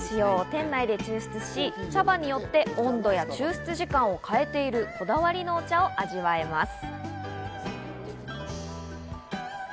店内で抽出し、茶葉によって温度や抽出時間を変えているこだわりのお茶を味わえます。